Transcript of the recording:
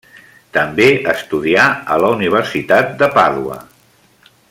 També estudià a la Universitat de Pàdua.